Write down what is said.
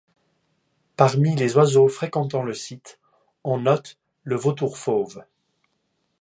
Parmi les oiseaux fréquentant le site, on note le Vautour fauve.